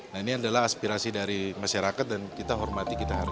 nah ini adalah aspirasi dari masyarakat dan kita hormati kita